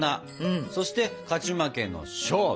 そして勝ち負けの「勝負」。